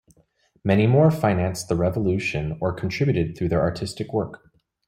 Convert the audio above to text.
Many more financed the revolution or contributed through their artistic work.